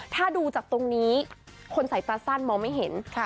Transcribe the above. ถ้าดูจากตรงนี้คนใส่ตาสั้นมองไม่เห็น